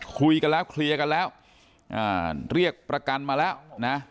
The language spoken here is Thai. คุยกันแล้วเคลียร์กันแล้วเรียกประกันมาแล้วนะ